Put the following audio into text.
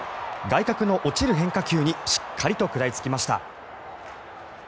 外角の落ちる変化球にしっかりと食らいつきました。